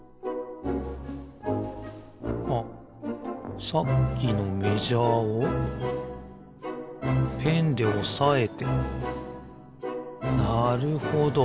あっさっきのメジャーをペンでおさえてなるほど。